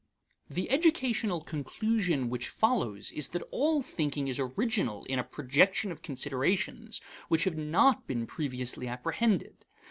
The educational conclusion which follows is that all thinking is original in a projection of considerations which have not been previously apprehended.